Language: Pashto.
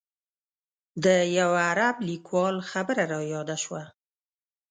د یوه عرب لیکوال خبره رایاده شوه.